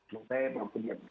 mungkin belum punya vaksin